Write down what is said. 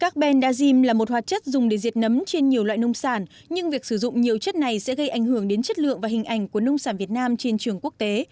các ben dajim là một hoạt chất dùng để diệt nấm trên nhiều loại nông sản nhưng việc sử dụng nhiều chất này sẽ gây ảnh hưởng đến chất lượng và hình ảnh của nông sản việt nam trên trường quốc tế